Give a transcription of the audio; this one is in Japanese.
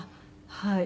はい。